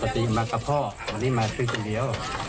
ปกติมากับพ่อไม่รีบมาซึ้งเดียว